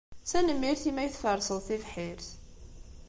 Tanemmirt imi ay tferseḍ tibḥirt.